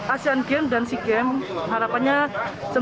asian games dan sea games